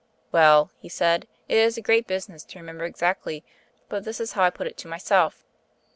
"Well," he said, "it is a great business to remember exactly; but this is how I put it to myself."